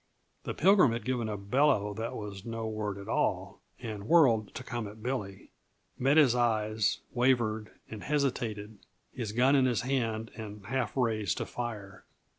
The Pilgrim had given a bellow that was no word at all, and whirled to come at Billy; met his eyes, wavered and hesitated, his gun in his hand and half raised to fire.